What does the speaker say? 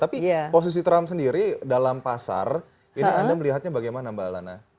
tapi posisi trump sendiri dalam pasar ini anda melihatnya bagaimana mbak lana